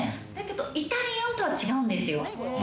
イタリアンとは違うんですよ。